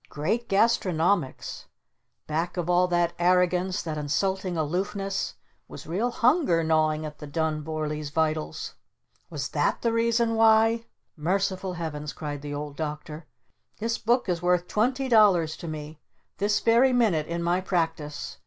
Great Gastronomics! Back of all that arrogance, that insulting aloofness, was real Hunger gnawing at the Dun Vorlees vitals? Was that the reason why ? Merciful Heavens!" cried the Old Doctor. "This book is worth twenty dollars to me this very minute in my Practice!